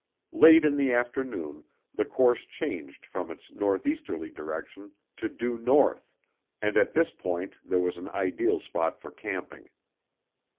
Late in the afternoon the course changed from its northeasterly direction to due north, and at this point there was an ideal spot for camping.